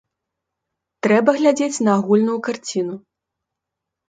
Трэба глядзець на агульную карціну.